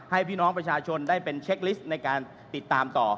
ให้พี่น้องประชาชนได้เป็นเช็คลิสต์ในการติดตามต่อ